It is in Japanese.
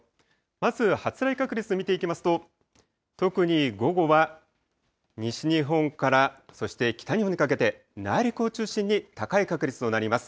まず発雷確率を見ていきますと、特に午後は、西日本からそして北日本にかけて、内陸を中心に高い確率となります。